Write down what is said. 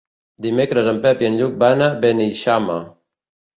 Dimecres en Pep i en Lluc van a Beneixama.